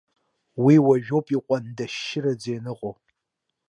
Уи уажәоуп иҟәандашьшьыраӡа ианыҟоу.